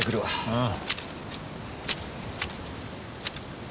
ああ。